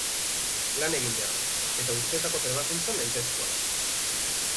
Lan egin behar da eta urtetako trebakuntza nahitaezkoa da.